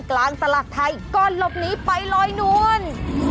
กลางสลากไทยก่อนหลบหนีไปลอยนวล